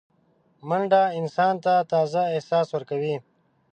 منډه انسان ته تازه احساس ورکوي